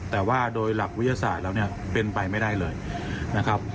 แต่ว่าโดยหลักวิทยาศาสตร์แล้วเนี่ยเป็นไปไม่ได้เลยนะครับ